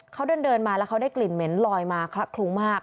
เขาเดินมาแล้วเขาได้กลิ่นเหม็นลอยมาคละคลุ้งมาก